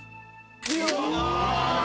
うわ！